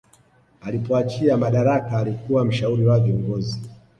alipoachia madaraka alikuwa mshauri wa viongozi